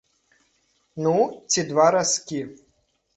Ну ці два разкі.